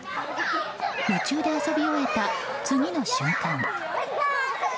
夢中で遊び終えた次の瞬間。